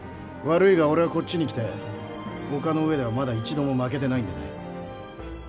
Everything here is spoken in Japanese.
悪いが俺はこっちに来て陸の上ではまだ一度も負けてないんでね。